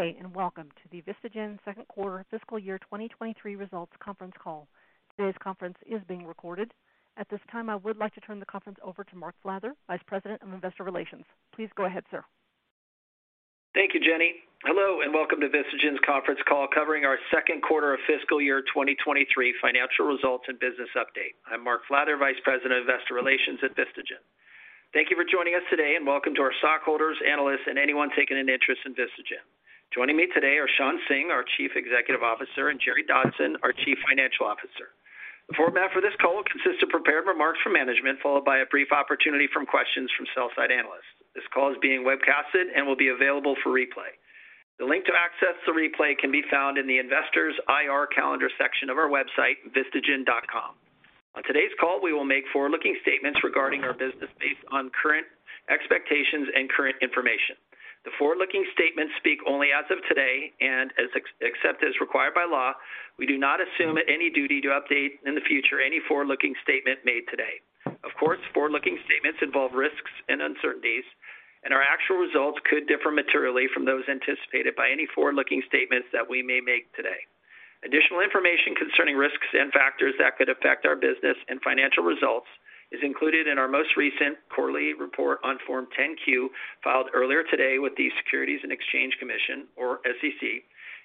Good day, and welcome to the VistaGen Second Quarter Fiscal Year 2023 Results Conference Call. Today's conference is being recorded. At this time, I would like to turn the conference over to Mark Flather, Vice President of Investor Relations. Please go ahead, sir. Thank you, Jenny. Hello, and welcome to VistaGen's conference call covering our second quarter of fiscal year 2023 financial results and business update. I'm Mark Flather, Vice President of Investor Relations at VistaGen. Thank you for joining us today, and welcome to our stockholders, analysts, and anyone taking an interest in VistaGen. Joining me today are Shawn Singh, our Chief Executive Officer, and Jerrold Dotson, our Chief Financial Officer. The format for this call consists of prepared remarks from management, followed by a brief opportunity for questions from sell-side analysts. This call is being webcasted and will be available for replay. The link to access the replay can be found in the Investors IR Calendar section of our website, vistagen.com. On today's call, we will make forward-looking statements regarding our business based on current expectations and current information. The forward-looking statements speak only as of today, and as except as required by law, we do not assume any duty to update in the future any forward-looking statement made today. Of course, forward-looking statements involve risks and uncertainties, and our actual results could differ materially from those anticipated by any forward-looking statements that we may make today. Additional information concerning risks and factors that could affect our business and financial results is included in our most recent quarterly report on Form 10-Q filed earlier today with the Securities and Exchange Commission, or SEC,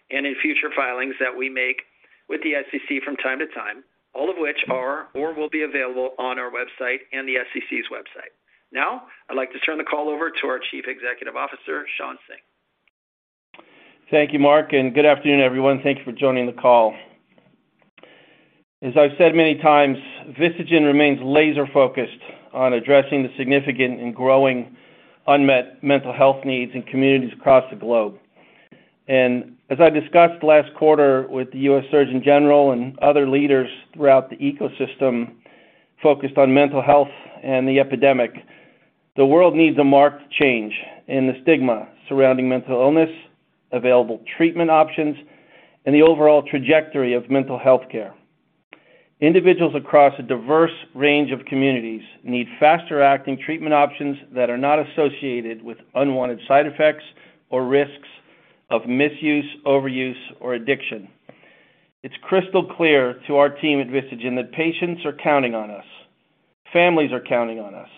and in future filings that we make with the SEC from time to time, all of which are or will be available on our website and the SEC's website. Now, I'd like to turn the call over to our Chief Executive Officer, Shawn Singh. Thank you, Mark, and good afternoon, everyone. Thank you for joining the call. As I've said many times, VistaGen remains laser-focused on addressing the significant and growing unmet mental health needs in communities across the globe. As I discussed last quarter with the U.S. Surgeon General and other leaders throughout the ecosystem focused on mental health and the epidemic, the world needs a marked change in the stigma surrounding mental illness, available treatment options, and the overall trajectory of mental health care. Individuals across a diverse range of communities need faster-acting treatment options that are not associated with unwanted side effects or risks of misuse, overuse, or addiction. It's crystal clear to our team at VistaGen that patients are counting on us, families are counting on us,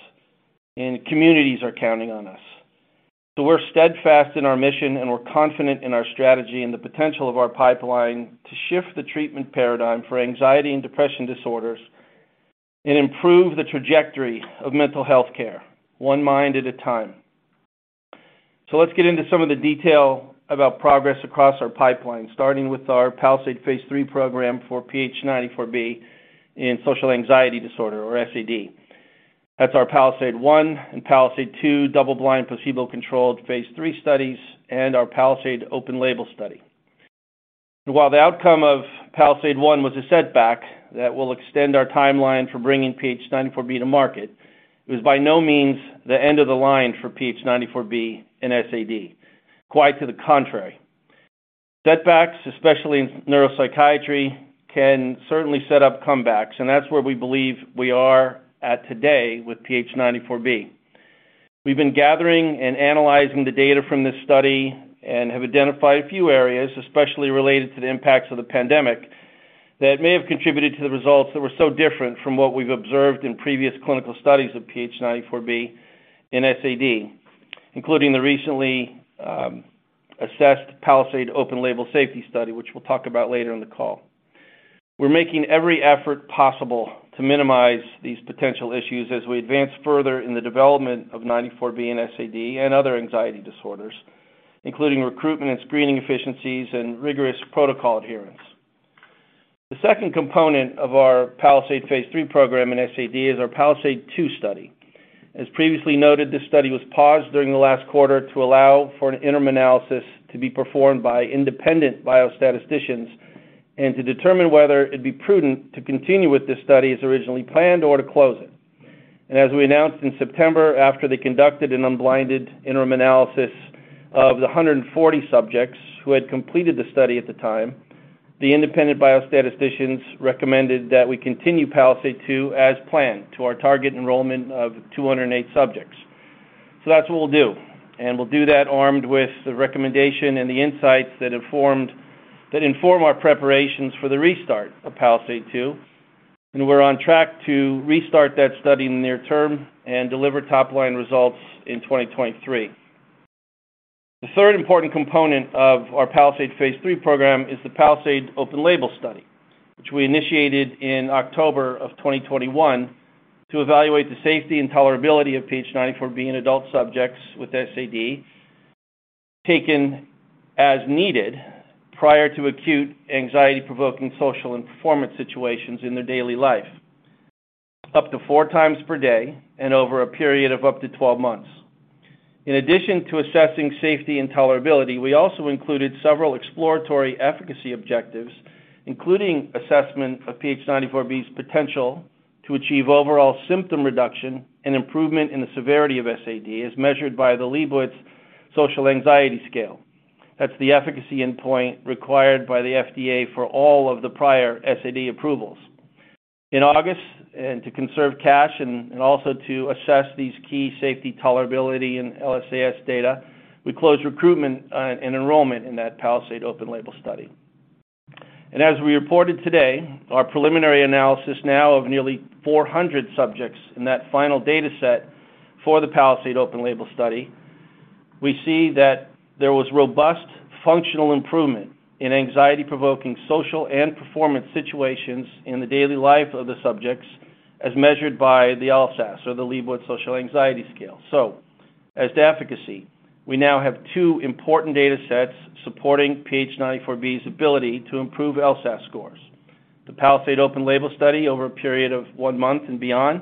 and communities are counting on us. We're steadfast in our mission, and we're confident in our strategy and the potential of our pipeline to shift the treatment paradigm for anxiety and depression disorders and improve the trajectory of mental health care one mind at a time. Let's get into some of the detail about progress across our pipeline, starting with our PALISADE phase III program for PH94B in social anxiety disorder or SAD. That's our PALISADE-1 and PALISADE-2 double-blind placebo-controlled phase III studies and our PALISADE open-label study. While the outcome of PALISADE-1 was a setback that will extend our timeline for bringing PH94B to market, it was by no means the end of the line for PH94B in SAD. Quite to the contrary. Setbacks, especially in neuropsychiatry, can certainly set up comebacks, and that's where we believe we are at today with PH94B. We've been gathering and analyzing the data from this study and have identified a few areas, especially related to the impacts of the pandemic, that may have contributed to the results that were so different from what we've observed in previous clinical studies of PH94B in SAD, including the recently assessed PALISADE open label safety study, which we'll talk about later in the call. We're making every effort possible to minimize these potential issues as we advance further in the development of 94B and SAD and other anxiety disorders, including recruitment and screening efficiencies and rigorous protocol adherence. The second component of our PALISADE phase III program in SAD is our PALISADE-2 study. As previously noted, this study was paused during the last quarter to allow for an interim analysis to be performed by independent biostatisticians and to determine whether it'd be prudent to continue with this study as originally planned or to close it. as we announced in September, after they conducted an unblinded interim analysis of the 140 subjects who had completed the study at the time, the independent biostatisticians recommended that we continue PALISADE-2 as planned to our target enrollment of 208 subjects. that's what we'll do, and we'll do that armed with the recommendation and the insights that inform our preparations for the restart of PALISADE-2. we're on track to restart that study in the near term and deliver top-line results in 2023. The third important component of our PALISADE phase III program is the PALISADE open label study, which we initiated in October 2021 to evaluate the safety and tolerability of PH94B in adult subjects with SAD taken as needed prior to acute anxiety-provoking social and performance situations in their daily life, up to four times per day and over a period of up to 12 months. In addition to assessing safety and tolerability, we also included several exploratory efficacy objectives, including assessment of PH94B's potential to achieve overall symptom reduction and improvement in the severity of SAD, as measured by the Liebowitz Social Anxiety Scale. That's the efficacy endpoint required by the FDA for all of the prior SAD approvals. In August, and to conserve cash and also to assess these key safety, tolerability and LSAS data, we closed recruitment and enrollment in that PALISADE open label study. As we reported today, our preliminary analysis now of nearly 400 subjects in that final data set for the PALISADE open label study, we see that there was robust functional improvement in anxiety-provoking social and performance situations in the daily life of the subjects as measured by the LSAS or the Liebowitz Social Anxiety Scale. As to efficacy, we now have two important data sets supporting PH94B's ability to improve LSAS scores. The PALISADE open label study over a period of one month and beyond,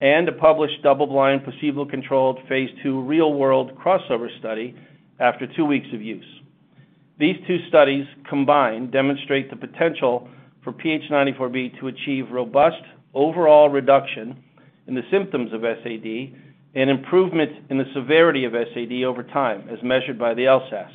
and a published double-blind placebo-controlled phase II real-world crossover study after two weeks of use. These two studies combined demonstrate the potential for PH94B to achieve robust overall reduction in the symptoms of SAD and improvement in the severity of SAD over time as measured by the LSAS.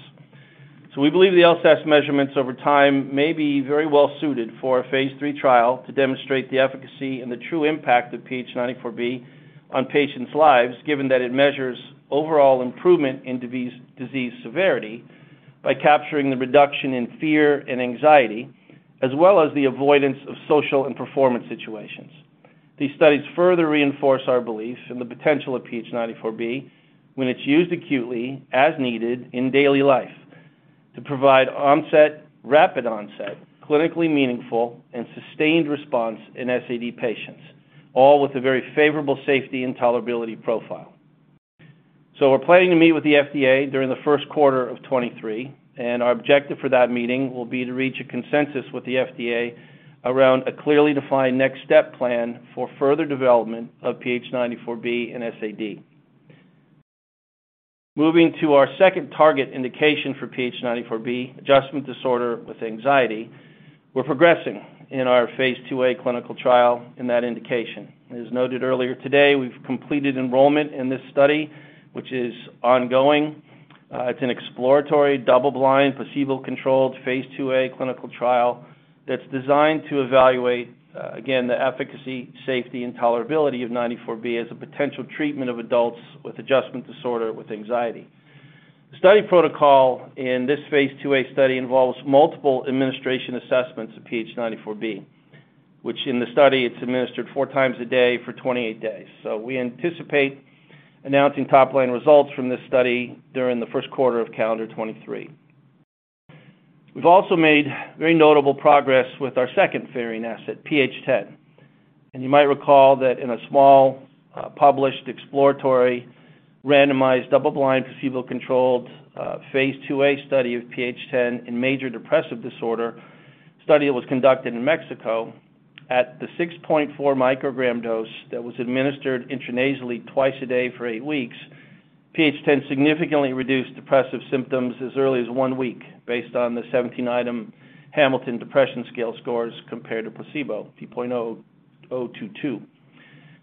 We believe the LSAS measurements over time may be very well suited for a phase III trial to demonstrate the efficacy and the true impact of PH94B on patients' lives, given that it measures overall improvement in disease severity by capturing the reduction in fear and anxiety, as well as the avoidance of social and performance situations. These studies further reinforce our belief in the potential of PH94B when it's used acutely as needed in daily life to provide onset, rapid onset, clinically meaningful, and sustained response in SAD patients, all with a very favorable safety and tolerability profile. We're planning to meet with the FDA during the first quarter of 2023, and our objective for that meeting will be to reach a consensus with the FDA around a clearly defined next step plan for further development of PH94B and SAD. Moving to our second target indication for PH94B, adjustment disorder with anxiety, we're progressing in our phase II-A clinical trial in that indication. As noted earlier today, we've completed enrollment in this study, which is ongoing. It's an exploratory double-blind placebo-controlled phase II-A clinical trial that's designed to evaluate, again, the efficacy, safety, and tolerability of PH94B as a potential treatment of adults with adjustment disorder with anxiety. The study protocol in this phase II-A study involves multiple administration assessments of PH94B, which in the study it's administered four times a day for 28 days. We anticipate announcing top-line results from this study during the first quarter of calendar 2023. We've also made very notable progress with our second lead asset, PH10. You might recall that in a small published exploratory randomized double-blind placebo-controlled phase II-A study of PH10 in major depressive disorder, study was conducted in Mexico at the 6.4 microgram dose that was administered intranasally twice a day for eight weeks. PH10 significantly reduced depressive symptoms as early as one week based on the 17-item Hamilton Depression Scale scores compared to placebo, P.022.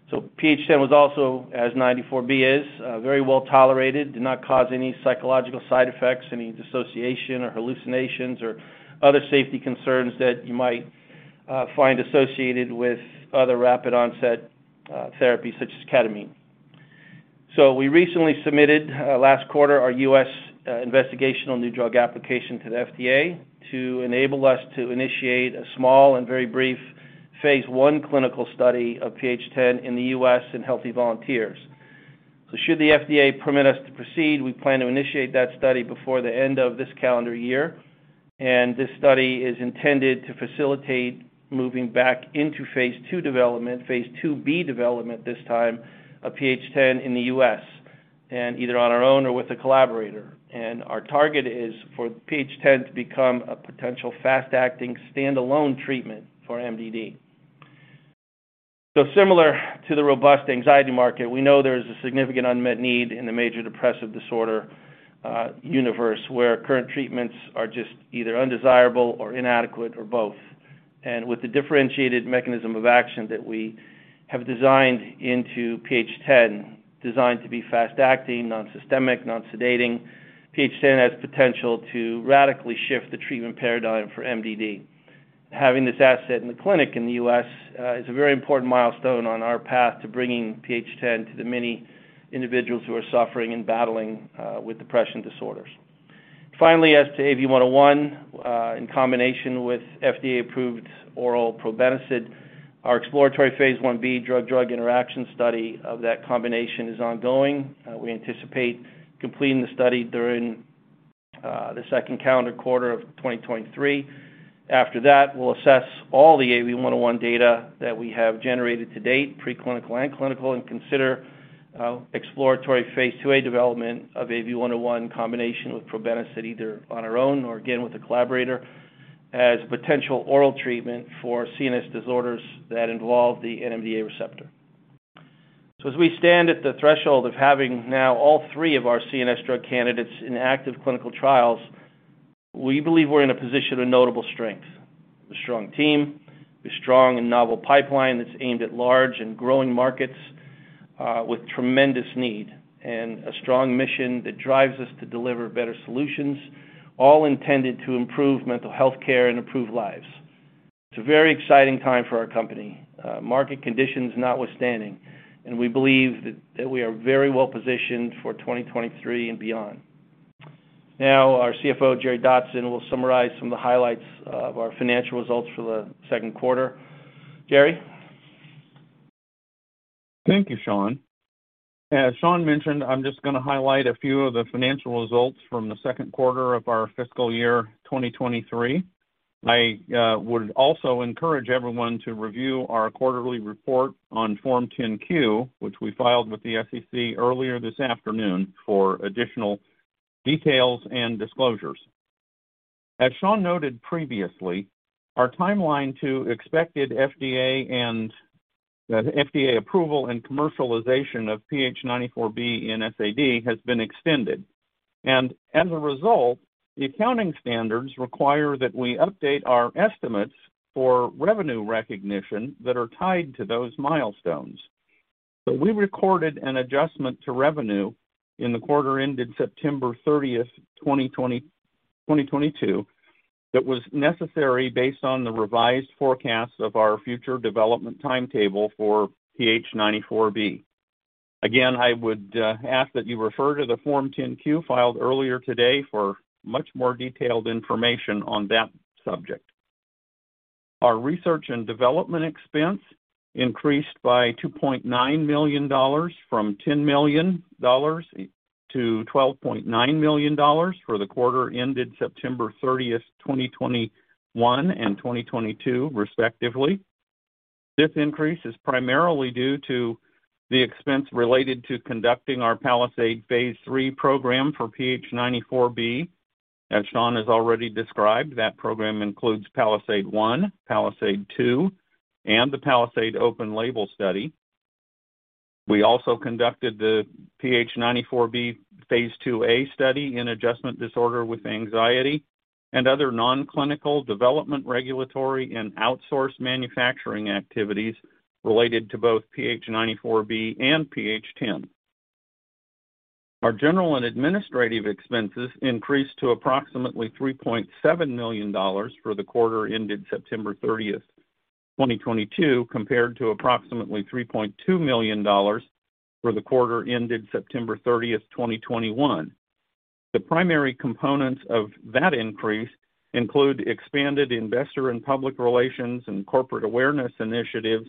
PH10 was also, as 94B is, very well tolerated, did not cause any psychological side effects, any dissociation or hallucinations or other safety concerns that you might find associated with other rapid onset therapies such as ketamine. We recently submitted last quarter our U.S. Investigational new drug application to the FDA to enable us to initiate a small and very brief phase I clinical study of PH10 in the U.S. in healthy volunteers. Should the FDA permit us to proceed, we plan to initiate that study before the end of this calendar year. This study is intended to facilitate moving back into phase II development, phase II-B development this time, of PH10 in the U.S. and either on our own or with a collaborator. Our target is for PH10 to become a potential fast-acting standalone treatment for MDD. Similar to the robust anxiety market, we know there is a significant unmet need in the major depressive disorder universe where current treatments are just either undesirable or inadequate or both. With the differentiated mechanism of action that we have designed into PH10, designed to be fast-acting, non-systemic, non-sedating, PH10 has potential to radically shift the treatment paradigm for MDD. Having this asset in the clinic in the U.S. is a very important milestone on our path to bringing PH10 to the many individuals who are suffering and battling with depression disorders. Finally, as to AV101 in combination with FDA-approved oral probenecid, our exploratory Phase 1b drug-drug interaction study of that combination is ongoing. We anticipate completing the study during the second calendar quarter of 2023. After that, we'll assess all the AV101 data that we have generated to date, preclinical and clinical, and consider exploratory phase II-A development of AV101 combination with probenecid either on our own or again with a collaborator as a potential oral treatment for CNS disorders that involve the NMDA receptor. As we stand at the threshold of having now all three of our CNS drug candidates in active clinical trials, we believe we're in a position of notable strength. A strong team, a strong and novel pipeline that's aimed at large and growing markets. With tremendous need and a strong mission that drives us to deliver better solutions, all intended to improve mental health care and improve lives. It's a very exciting time for our company, market conditions notwithstanding, and we believe that we are very well positioned for 2023 and beyond. Now our CFO, Jerry Dotson, will summarize some of the highlights of our financial results for the second quarter. Jerry? Thank you, Shawn. As Shawn mentioned, I'm just gonna highlight a few of the financial results from the second quarter of our fiscal year 2023. I would also encourage everyone to review our quarterly report on Form 10-Q, which we filed with the SEC earlier this afternoon, for additional details and disclosures. As Shawn noted previously, our timeline to expected FDA and FDA approval and commercialization of PH94B in SAD has been extended. As a result, the accounting standards require that we update our estimates for revenue recognition that are tied to those milestones. We recorded an adjustment to revenue in the quarter ended September 30th, 2022, that was necessary based on the revised forecast of our future development timetable for PH94B. Again, I would ask that you refer to the Form 10-Q filed earlier today for much more detailed information on that subject. Our research and development expense increased by $2.9 million from $10 million to $12.9 million for the quarter ended September 30th, 2021 and 2022 respectively. This increase is primarily due to the expense related to conducting our PALISADE phase III program for PH94B. As Shawn has already described, that program includes PALISADE-1, PALISADE-2, and the PALISADE open label study. We also conducted the PH94B phase II-A study in adjustment disorder with anxiety and other non-clinical development regulatory and outsourced manufacturing activities related to both PH94B and PH10. Our general and administrative expenses increased to approximately $3.7 million for the quarter ended September 30th, 2022, compared to approximately $3.2 million for the quarter ended September 30th, 2021. The primary components of that increase include expanded investor and public relations and corporate awareness initiatives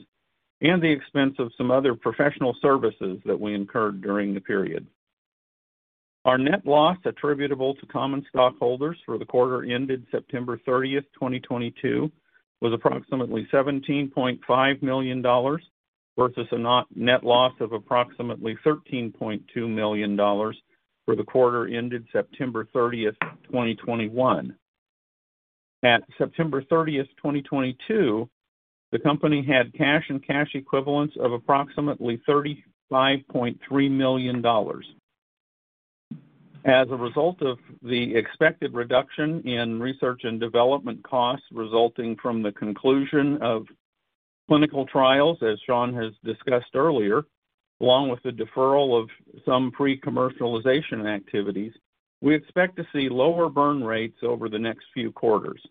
and the expense of some other professional services that we incurred during the period. Our net loss attributable to common stockholders for the quarter ended September 30th, 2022, was approximately $17.5 million versus a net loss of approximately $13.2 million for the quarter ended September 30th, 2021. At September 30th, 2022, the company had cash and cash equivalents of approximately $35.3 million. As a result of the expected reduction in research and development costs resulting from the conclusion of clinical trials, as Shawn has discussed earlier, along with the deferral of some pre-commercialization activities, we expect to see lower burn rates over the next few quarters.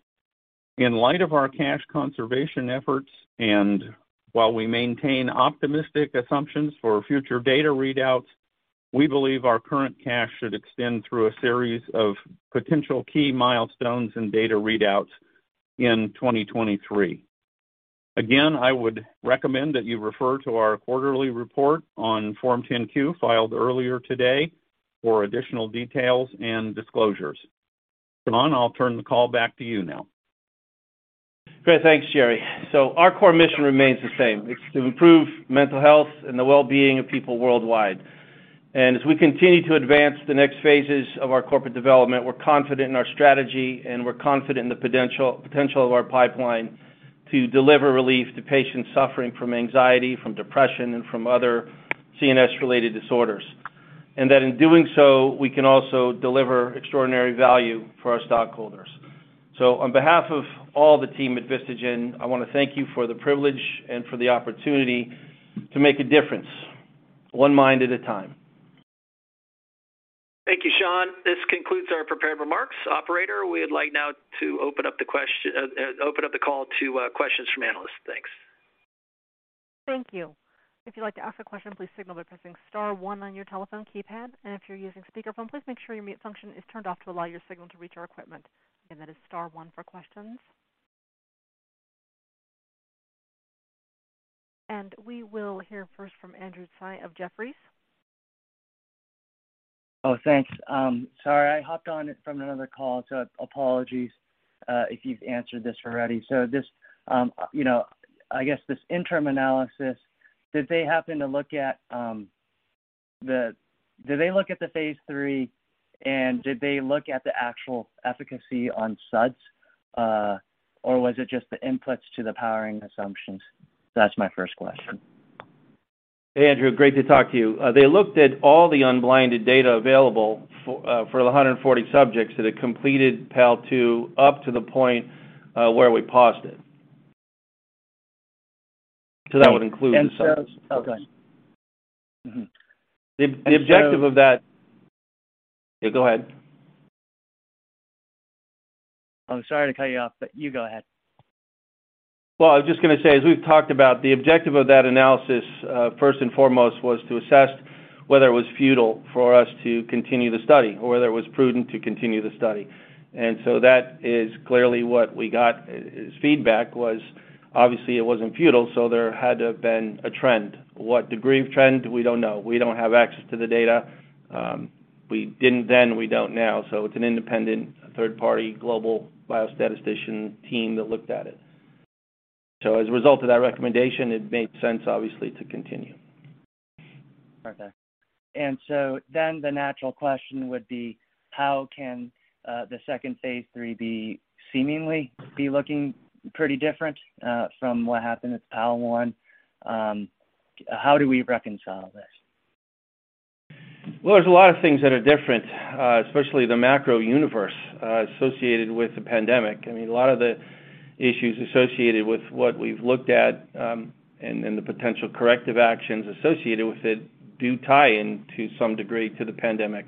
In light of our cash conservation efforts, and while we maintain optimistic assumptions for future data readouts, we believe our current cash should extend through a series of potential key milestones and data readouts in 2023. Again, I would recommend that you refer to our quarterly report on Form 10-Q filed earlier today for additional details and disclosures. Shawn, I'll turn the call back to you now. Great. Thanks, Jerry. Our core mission remains the same. It's to improve mental health and the well-being of people worldwide. As we continue to advance the next phases of our corporate development, we're confident in our strategy, and we're confident in the potential of our pipeline to deliver relief to patients suffering from anxiety, from depression, and from other CNS-related disorders. That in doing so, we can also deliver extraordinary value for our stockholders. On behalf of all the team at VistaGen, I wanna thank you for the privilege and for the opportunity to make a difference one mind at a time. Thank you, Shawn. This concludes our prepared remarks. Operator, we would like now to open up the call to questions from analysts. Thanks. Thank you. If you'd like to ask a question, please signal by pressing star one on your telephone keypad. If you're using speakerphone, please make sure your mute function is turned off to allow your signal to reach our equipment. Again, that is star one for questions. We will hear first from Andrew Tsai of Jefferies. Oh, thanks. Sorry, I hopped on from another call, so apologies if you've answered this already. Just, you know, I guess this interim analysis, did they happen to look at the phase 3, and did they look at the actual efficacy on SUDS, or was it just the inputs to the powering assumptions? That's my first question. Hey, Andrew. Great to talk to you. They looked at all the unblinded data available for the 140 subjects that had completed PALISADE-2 up to the point where we paused it. That would include- Okay. Yeah, go ahead. I'm sorry to cut you off, but you go ahead. Well, I was just gonna say, as we've talked about, the objective of that analysis, first and foremost, was to assess whether it was futile for us to continue the study or whether it was prudent to continue the study. That is clearly what we got. Its feedback was obviously it wasn't futile, so there had to have been a trend. What degree of trend, we don't know. We don't have access to the data. We didn't then, we don't now. It's an independent third-party global biostatistician team that looked at it. As a result of that recommendation, it made sense, obviously, to continue. Perfect. The natural question would be, how can the second phase III be seemingly looking pretty different from what happened with PALISADE-1? How do we reconcile this? Well, there's a lot of things that are different, especially the macro universe associated with the pandemic. I mean, a lot of the issues associated with what we've looked at, and the potential corrective actions associated with it do tie in to some degree to the pandemic.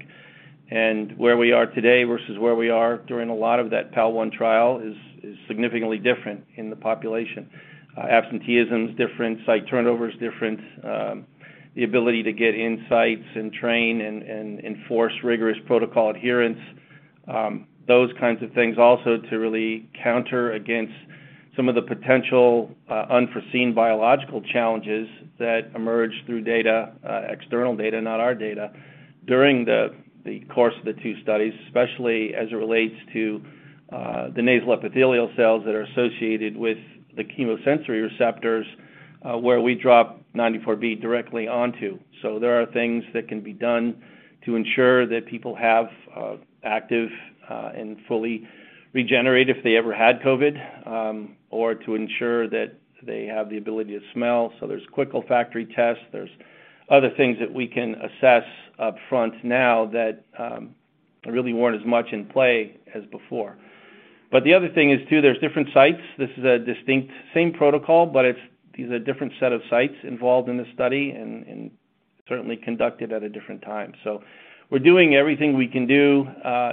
Where we are today versus where we are during a lot of that PALISADE-1 trial is significantly different in the population. Absenteeism is different, site turnover is different. The ability to get insights and train and enforce rigorous protocol adherence, those kinds of things also to really counter against some of the potential unforeseen biological challenges that emerge through data, external data, not our data, during the course of the two studies, especially as it relates to the nasal epithelial cells that are associated with the chemosensory receptors, where we drop PH94B directly onto. So there are things that can be done to ensure that people have active and fully regenerate if they ever had COVID, or to ensure that they have the ability to smell. So there's quick olfactory tests. There's other things that we can assess upfront now that really weren't as much in play as before. The other thing is too, there's different sites. This is a distinct same protocol, but it's a different set of sites involved in the study and certainly conducted at a different time. We're doing everything we can do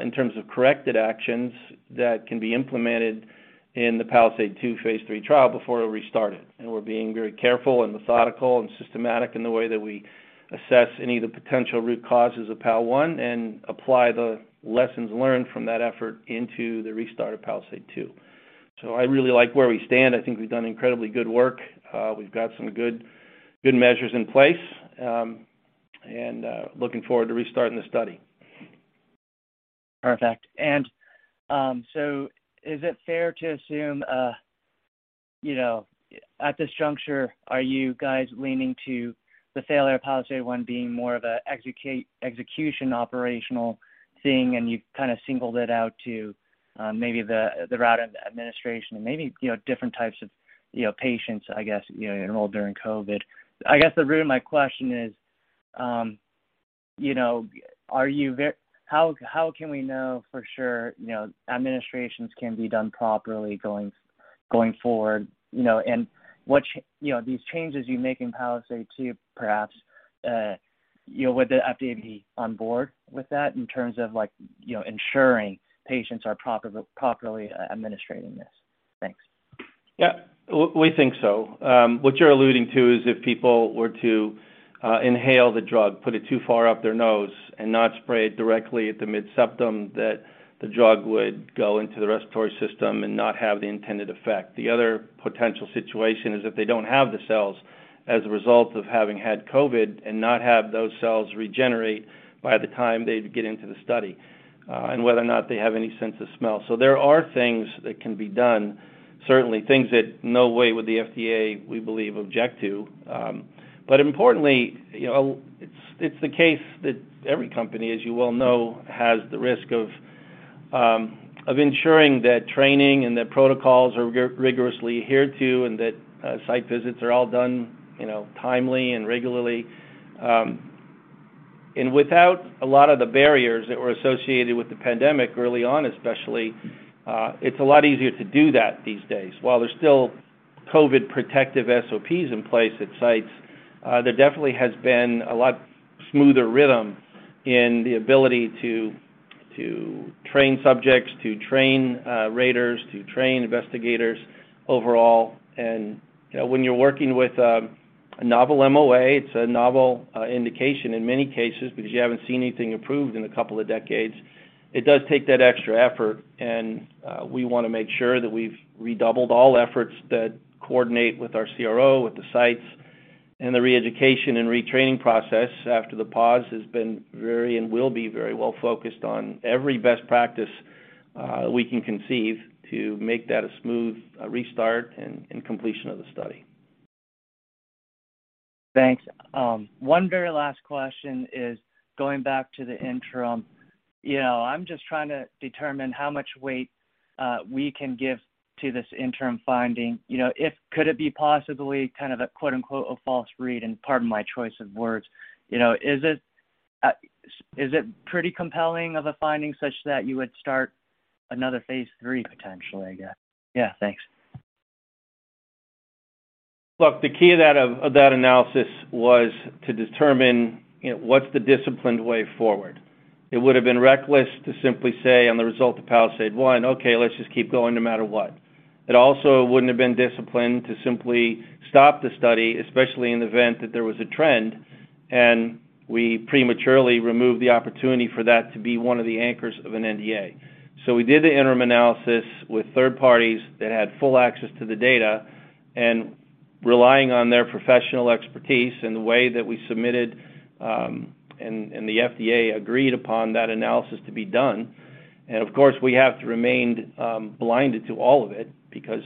in terms of corrective actions that can be implemented in the PALISADE-2 phase III trial before it restarted. We're being very careful and methodical and systematic in the way that we assess any of the potential root causes of PALISADE-1 and apply the lessons learned from that effort into the restart of PALISADE-2. I really like where we stand. I think we've done incredibly good work. We've got some good measures in place, and looking forward to restarting the study. Perfect. Is it fair to assume, you know, at this juncture, are you guys leaning to the failure of PALISADE-1 being more of a execution operational thing, and you've kinda singled it out to, maybe the route of administration and maybe, you know, different types of, you know, patients, I guess, you know, enrolled during COVID? I guess the root of my question is, you know, are you How, how can we know for sure, you know, administrations can be done properly going forward? You know, these changes you make in PALISADE-2, perhaps, you know, would the FDA be on board with that in terms of like, you know, ensuring patients are properly administering this? Thanks. Yeah, we think so. What you're alluding to is if people were to inhale the drug, put it too far up their nose and not spray it directly at the mid septum, that the drug would go into the respiratory system and not have the intended effect. The other potential situation is if they don't have the cells as a result of having had COVID and not have those cells regenerate by the time they'd get into the study, and whether or not they have any sense of smell. There are things that can be done, certainly things that no way would the FDA, we believe, object to. Importantly, you know, it's the case that every company, as you well know, has the risk of ensuring that training and that protocols are rigorously adhered to and that site visits are all done, you know, timely and regularly. Without a lot of the barriers that were associated with the pandemic early on, especially, it's a lot easier to do that these days. While there's still COVID protective SOPs in place at sites, there definitely has been a lot smoother rhythm in the ability to train subjects, to train raters, to train investigators overall. You know, when you're working with a novel MOA, it's a novel indication in many cases because you haven't seen anything approved in a couple of decades. It does take that extra effort, and we wanna make sure that we've redoubled all efforts that coordinate with our CRO, with the sites. The re-education and retraining process after the pause has been very and will be very well focused on every best practice we can conceive to make that a smooth restart and completion of the study. Thanks. One very last question is going back to the interim. You know, I'm just trying to determine how much weight we can give to this interim finding. You know, if could it be possibly kind of a quote-unquote, "a false read," and pardon my choice of words. You know, is it pretty compelling of a finding such that you would start another phase three potentially, I guess? Yeah, thanks. Look, the key to that, of that analysis was to determine, you know, what's the disciplined way forward. It would have been reckless to simply say on the result of PALISADE-1, "Okay, let's just keep going no matter what." It also wouldn't have been disciplined to simply stop the study, especially in the event that there was a trend, and we prematurely removed the opportunity for that to be one of the anchors of an NDA. We did the interim analysis with third parties that had full access to the data and relying on their professional expertise and the way that we submitted, and the FDA agreed upon that analysis to be done. Of course, we have to remain blinded to all of it because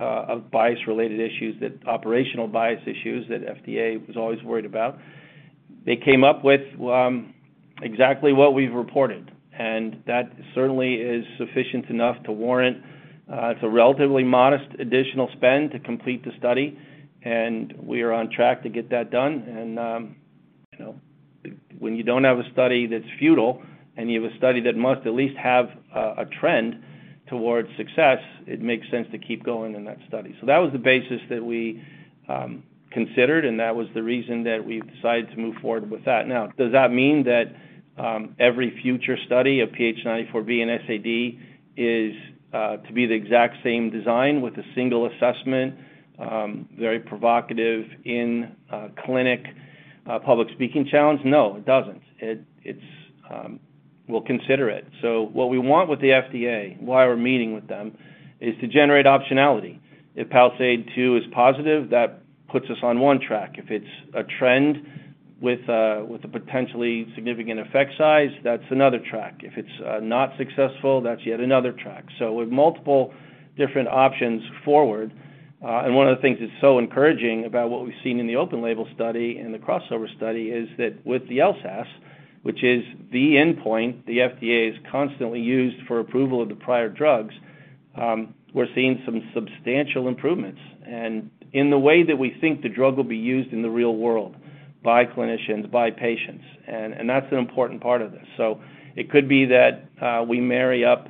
of bias-related issues, that operational bias issues that FDA was always worried about. They came up with exactly what we've reported, and that certainly is sufficient enough to warrant it's a relatively modest additional spend to complete the study, and we are on track to get that done. You know, when you don't have a study that's futile and you have a study that must at least have a trend towards success, it makes sense to keep going in that study. That was the basis that we considered, and that was the reason that we decided to move forward with that. Now, does that mean that every future study of PH94B and SAD is to be the exact same design with a single assessment, very provocative in a clinic, public speaking challenge? No, it doesn't. It's we'll consider it. What we want with the FDA, why we're meeting with them, is to generate optionality. If PALISADE-2 is positive, that puts us on one track. If it's a trend with a potentially significant effect size, that's another track. If it's not successful, that's yet another track. With multiple different options forward, and one of the things that's so encouraging about what we've seen in the open label study and the crossover study is that with the LSAS, which is the endpoint the FDA has constantly used for approval of the prior drugs, we're seeing some substantial improvements and in the way that we think the drug will be used in the real world by clinicians, by patients, and that's an important part of this. It could be that we marry up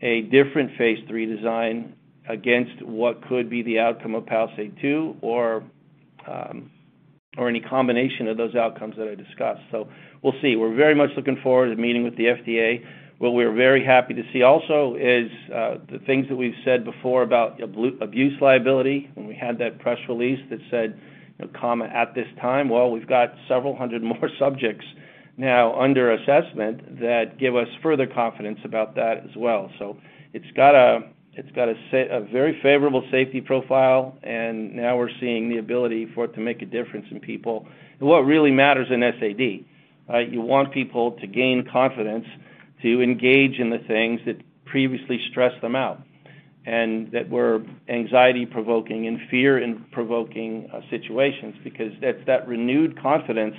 a different phase III design against what could be the outcome of PALISADE-2 or any combination of those outcomes that I discussed. We'll see. We're very much looking forward to meeting with the FDA. What we're very happy to see also is the things that we've said before about abuse liability, when we had that press release that said, you know, at this time. Well, we've got several hundred more subjects now under assessment that give us further confidence about that as well. It's got a very favorable safety profile, and now we're seeing the ability for it to make a difference in people. What really matters in SAD, right. You want people to gain confidence, to engage in the things that previously stressed them out, and that were anxiety-provoking and fear-provoking situations because it's that renewed confidence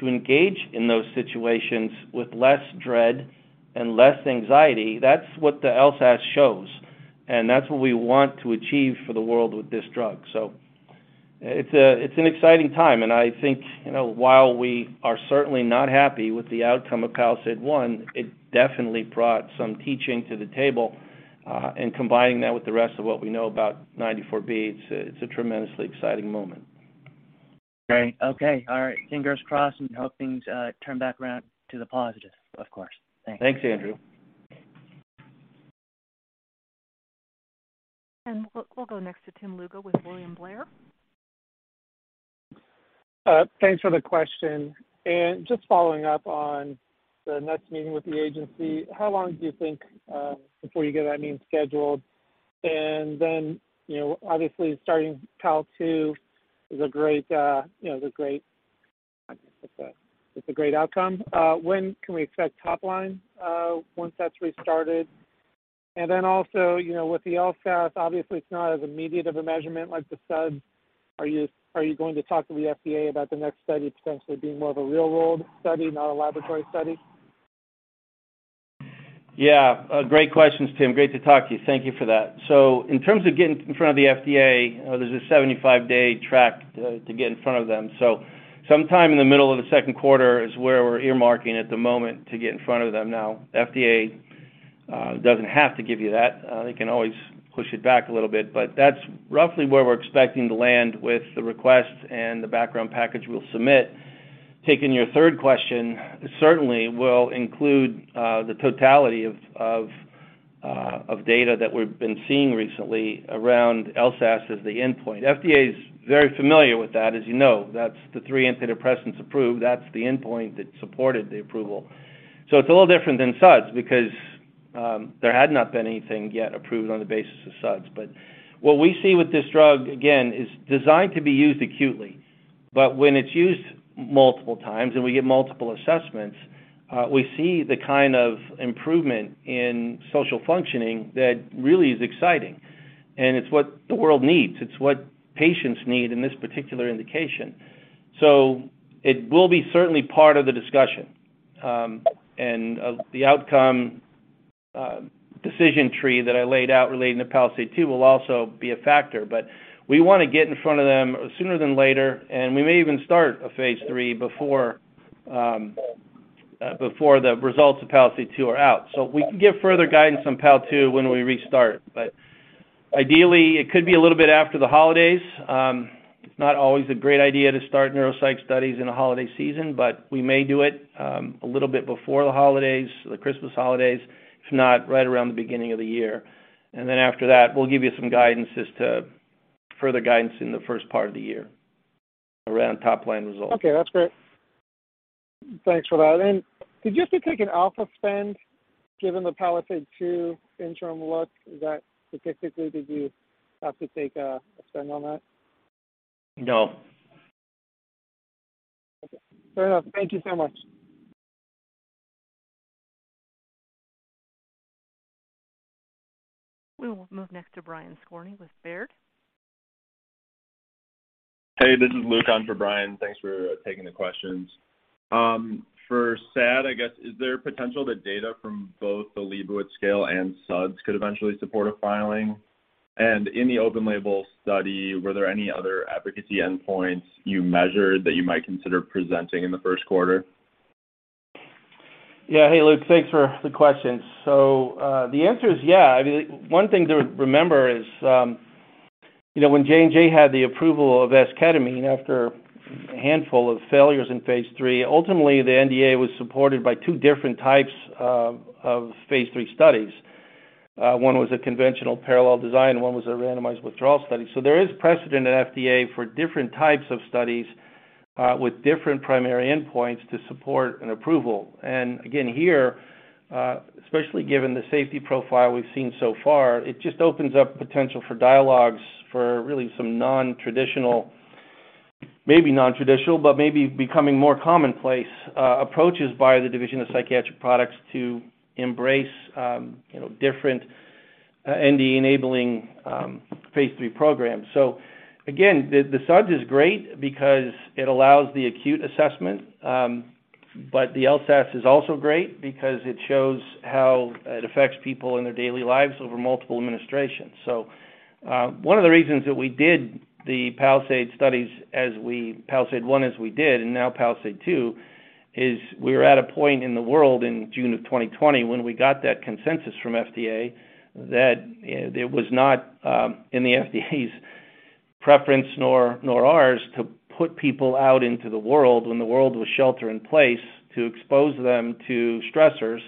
to engage in those situations with less dread and less anxiety. That's what the LSAS shows, and that's what we want to achieve for the world with this drug. It's an exciting time, and I think, you know, while we are certainly not happy with the outcome of PALISADE-1, it definitely brought some teachings to the table, and combining that with the rest of what we know about 94B, it's a tremendously exciting moment. Great. Okay. All right. Fingers crossed and hope things turn back around to the positive, of course. Thanks. Thanks, Andrew. We'll go next to Tim Lugo with William Blair. Thanks for the question. Just following up on the next meeting with the agency, how long do you think before you get that meeting scheduled? Then, you know, obviously starting PALISADE-2 is a great outcome. When can we expect top line once that's restarted? Then also, you know, with the LSAS, obviously, it's not as immediate of a measurement like the SUDS. Are you going to talk to the FDA about the next study potentially being more of a real-world study, not a laboratory study? Yeah. Great questions, Tim. Great to talk to you. Thank you for that. In terms of getting in front of the FDA, there's a 75-day track to get in front of them. Sometime in the middle of the second quarter is where we're earmarking at the moment to get in front of them. Now, FDA doesn't have to give you that. They can always push it back a little bit, but that's roughly where we're expecting to land with the request and the background package we'll submit. Taking your third question, certainly will include the totality of data that we've been seeing recently around LSAS as the endpoint. FDA is very familiar with that. As you know, that's the three antidepressants approved. That's the endpoint that supported the approval. It's a little different than SUDS because there had not been anything yet approved on the basis of SUDS. What we see with this drug, again, is designed to be used acutely. When it's used multiple times and we get multiple assessments, we see the kind of improvement in social functioning that really is exciting. It's what the world needs. It's what patients need in this particular indication. It will be certainly part of the discussion, and of the outcome, decision tree that I laid out relating to PALISADE-2 will also be a factor, but we wanna get in front of them sooner than later, and we may even start a phase III before the results of PALISADE-2 are out. We can give further guidance on PALISADE-2 when we restart. Ideally, it could be a little bit after the holidays. It's not always a great idea to start neuropsych studies in a holiday season, but we may do it, a little bit before the holidays, the Christmas holidays, if not right around the beginning of the year. Then after that, we'll give you some guidance as to further guidance in the first part of the year around top line results. Okay, that's great. Thanks for that. Did you have to take an alpha spend given the PALISADE-2 interim look? Is that statistically, did you have to take a spend on that? No. Okay. Fair enough. Thank you so much. We will move next to Brian Skorney with Baird. Hey, this is Luke on for Brian. Thanks for taking the questions. For SAD, I guess, is there potential that data from both the Liebowitz scale and SUDS could eventually support a filing? In the open-label study, were there any other efficacy endpoints you measured that you might consider presenting in the first quarter? Yeah. Hey, Luke. Thanks for the questions. The answer is yeah. I mean, one thing to remember is, you know, when J&J had the approval of S-ketamine after a handful of failures in phase III, ultimately the NDA was supported by two different types of phase III studies. One was a conventional parallel design, one was a randomized withdrawal study. There is precedent at FDA for different types of studies with different primary endpoints to support an approval. Again here, especially given the safety profile we've seen so far, it just opens up potential for dialogues for really some non-traditional, but maybe becoming more commonplace, approaches by the Division of Psychiatry to embrace, you know, different, NDA-enabling, phase III programs. Again, the SUDS is great because it allows the acute assessment, but the LSAS is also great because it shows how it affects people in their daily lives over multiple administrations. One of the reasons that we did the PALISADE studies, PALISADE-1 as we did and now PALISADE-2, is we were at a point in the world in June of 2020 when we got that consensus from FDA that it was not in the FDA's preference nor ours to put people out into the world when the world was shelter in place to expose them to stressors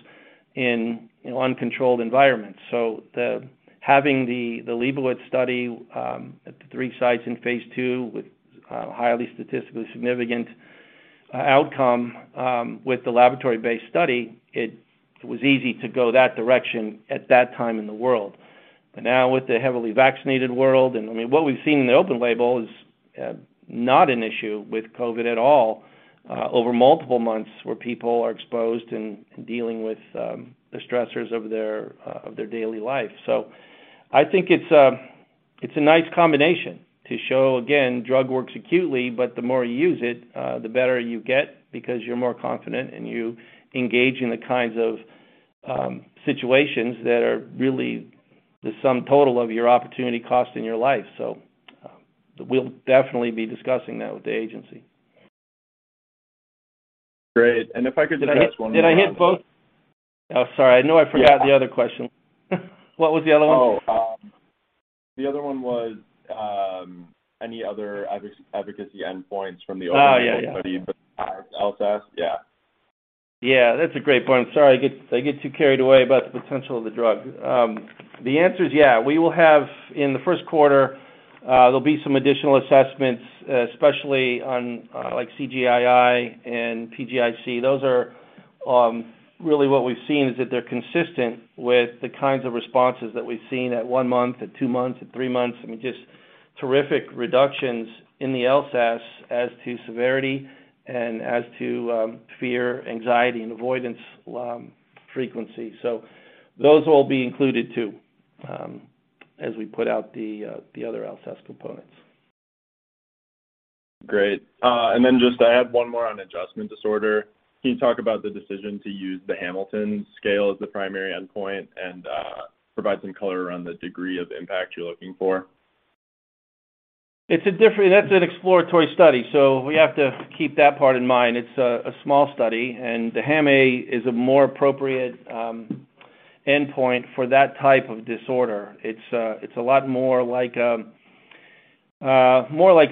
in uncontrolled environments. Having the Liebowitz study at the three sites in phase II with highly statistically significant outcome with the laboratory-based study, it was easy to go that direction at that time in the world. Now with the heavily vaccinated world, and I mean, what we've seen in the open label is not an issue with COVID at all over multiple months where people are exposed and dealing with the stressors of their daily life. I think it's a nice combination to show again, drug works acutely, but the more you use it, the better you get because you're more confident and you engage in the kinds of situations that are really the sum total of your opportunity cost in your life. We'll definitely be discussing that with the agency. Great. If I could just ask one more Did I hit both? Oh, sorry. I know I forgot the other question. What was the other one? The other one was any other efficacy endpoints from the open-label. Oh, yeah. Study besides LSAS? Yeah. Yeah, that's a great point. Sorry. I get too carried away about the potential of the drug. The answer is yeah, we will have in the first quarter, there'll be some additional assessments, especially on like CGI and PGIC. Those are really what we've seen is that they're consistent with the kinds of responses that we've seen at one month, at two months, at three months. I mean, just terrific reductions in the LSAS as to severity and as to fear, anxiety, and avoidance frequency. Those will be included too, as we put out the other LSAS components. Great. Just I have one more on adjustment disorder. Can you talk about the decision to use the Hamilton scale as the primary endpoint and provide some color around the degree of impact you're looking for? That's an exploratory study, so we have to keep that part in mind. It's a small study, and the HAM-A is a more appropriate endpoint for that type of disorder. It's a lot more like,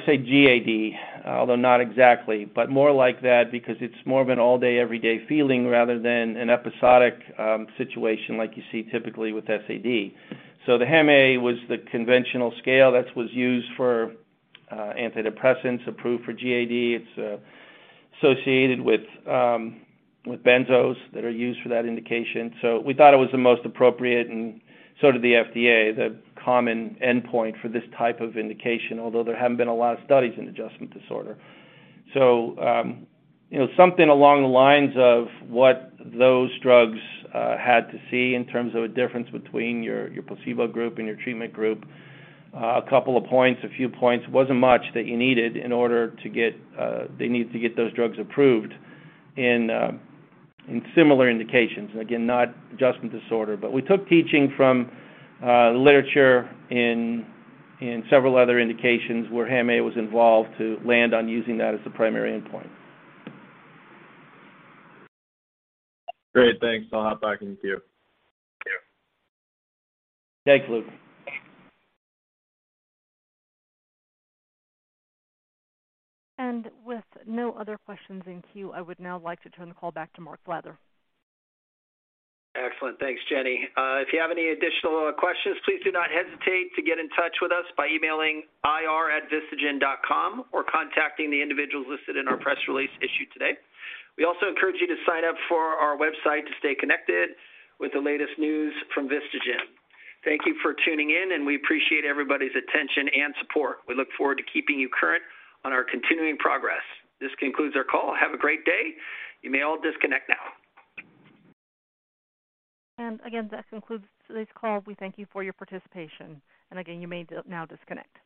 say, GAD, although not exactly, but more like that because it's more of an all-day everyday feeling rather than an episodic situation like you see typically with SAD. The HAM-A was the conventional scale that was used for antidepressants approved for GAD. It's associated with benzos that are used for that indication. We thought it was the most appropriate, and so did the FDA, the common endpoint for this type of indication, although there haven't been a lot of studies in adjustment disorder. You know, something along the lines of what those drugs had to see in terms of a difference between your placebo group and your treatment group. A couple of points, a few points, wasn't much that they needed to get those drugs approved in similar indications. Again, not adjustment disorder. We took teaching from literature in several other indications where HAM-A was involved to land on using that as the primary endpoint. Great. Thanks. I'll hop back into queue. Yeah. Thanks, Luke. With no other questions in queue, I would now like to turn the call back to Mark Flather. Excellent. Thanks, Jenny. If you have any additional questions, please do not hesitate to get in touch with us by emailing ir@vistagen.com or contacting the individuals listed in our press release issued today. We also encourage you to sign up for our website to stay connected with the latest news from VistaGen. Thank you for tuning in, and we appreciate everybody's attention and support. We look forward to keeping you current on our continuing progress. This concludes our call. Have a great day. You may all disconnect now. That concludes today's call. We thank you for your participation. You may now disconnect.